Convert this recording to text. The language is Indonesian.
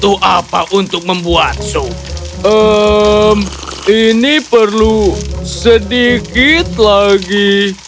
hmm ini perlu sedikit lagi